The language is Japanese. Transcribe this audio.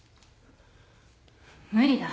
無理だ。